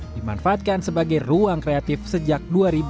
dimanfaatkan sebagai ruang kreatif sejak dua ribu sembilan belas